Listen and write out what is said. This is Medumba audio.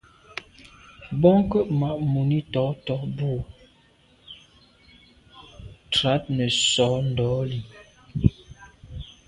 Bwɔ́ŋkə́ʼ mǎʼ mùní tɔ̌ tɔ́ bú trǎt nə̀ sǒ ndǒlî.